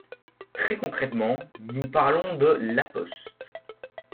Très concrètement, nous parlons de La Poste.